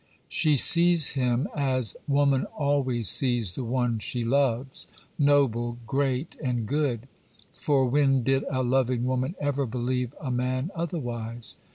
She sees him, as woman always sees the one she loves—noble, great, and good; for when did a loving woman ever believe a man otherwise?